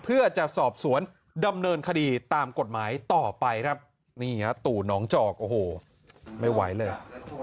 เพื่อจะสอบสวนดำเนินคดีตามกฎหมายต่อไปครับนี่ฮะตู่น้องจอกโอ้โหไม่ไหวเลย